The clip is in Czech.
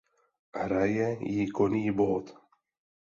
Hraje ji Connie Booth.